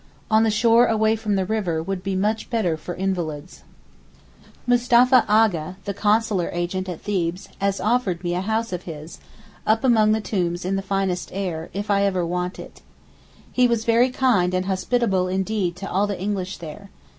On the shore away from the river would be much better for invalids. Mustapha Aga, the consular agent at Thebes, has offered me a house of his, up among the tombs in the finest air, if ever I want it. He was very kind and hospitable indeed to all the English there.